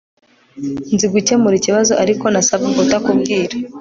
Nzi gukemura ikibazo ariko nasabwe kutakubwira